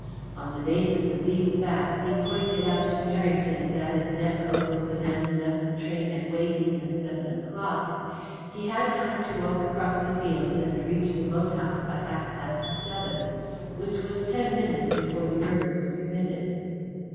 On the basis of these facts, he pointed out to Merrington that, if Nepcote was the man who left the train at Weydene at seven o'clock, he had time to walk across the fields and reach the moat house by half past seven, which was ten minutes before the murder was committed.